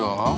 gak mau ya